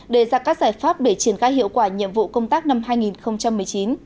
đề ra các giải pháp để triển khai hiệu quả nhiệm vụ công tác năm hai nghìn một mươi chín